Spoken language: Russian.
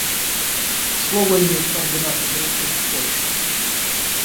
Слово имеет координатор Группы − Польша.